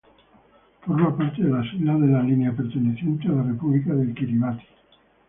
Forma parte de las Islas de la Línea, pertenecientes a la República de Kiribati.